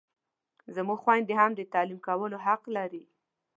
زموږ خویندې هم د تعلیم کولو حق لري!